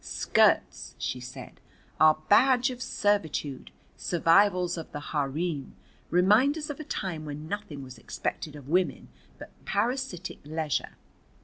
Skirts," she said, "are badge of servitude, survivals of the harem, reminders of a time when nothing was expected of women but parasitic leisure."